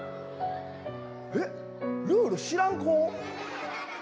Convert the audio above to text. えっルール知らん子？